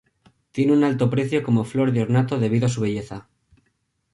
Tiene un alto precio como flor de ornato debido a su belleza.